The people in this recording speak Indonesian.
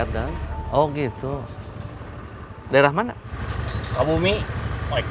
cucu teh masih sendiri